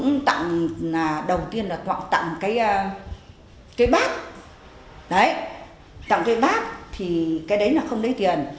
những tặng đầu tiên là tặng cái bát đấy tặng cái bát thì cái đấy là không lấy tiền